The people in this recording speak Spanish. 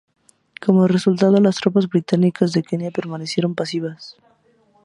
Como resultado, las tropas británicas de Kenia permanecieron pasivas.